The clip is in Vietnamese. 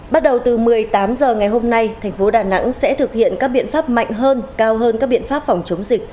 bắt đầu từ một mươi tám h ngày hôm nay thành phố đà nẵng sẽ thực hiện các biện pháp mạnh hơn cao hơn các biện pháp phòng chống dịch